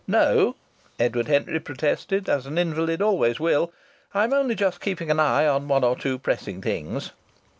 "No!" Edward Henry protested, as an invalid always will. "I'm only just keeping an eye on one or two pressing things."